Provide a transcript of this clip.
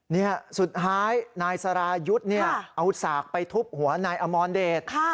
นี่สุดท้ายนายสรายุทธ์เนี่ยเอาสากไปทุบหัวนายอมรเดช